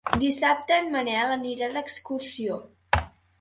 Dissabte en Manel anirà d'excursió.